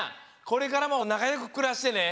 これからもなかよくくらしてね。